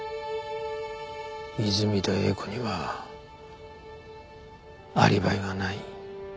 泉田栄子にはアリバイがない。